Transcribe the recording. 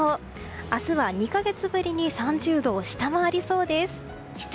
明日は２か月ぶりに３０度を下回りそうです。